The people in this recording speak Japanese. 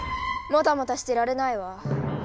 もたもたしてられないわ。